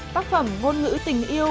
tác phẩm ngôn ngữ tình yêu